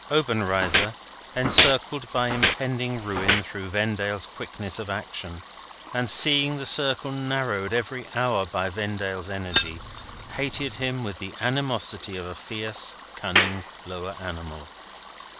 Obenreizer, encircled by impending ruin through Vendale's quickness of action, and seeing the circle narrowed every hour by Vendale's energy, hated him with the animosity of a fierce cunning lower animal.